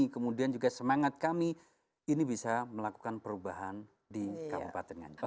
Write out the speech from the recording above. kemudian juga semangat kami ini bisa melakukan perubahan di kabupaten nganjuk